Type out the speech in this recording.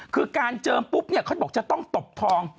คือการเจิมปุ๊บเนี่ยเขาบอกจะต้องตบทอง